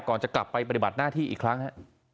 ก่อนจะกลับไปปฏิบัติหน้าที่อีกครั้งฮะ